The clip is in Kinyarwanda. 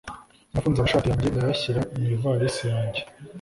Nafunze amashati yanjye ndayashyira mu ivarisi yanjye.